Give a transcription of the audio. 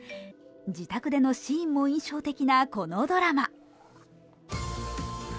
自宅でのシーンも印象的なこのドラマ。